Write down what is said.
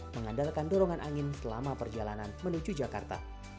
mengandalkan dorongan angin selama perjalanan menuju jakarta